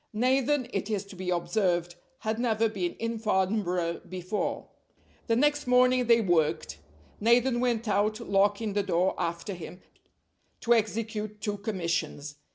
Nathan, it is to be observed, had never been in Farnborough before. The next morning they worked. Nathan went out, locking the door after him, to execute two commissions.